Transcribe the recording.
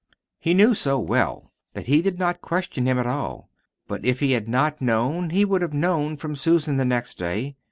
He knew so well that he did not question him at all. But if he had not known, he would have known from Susan the next day.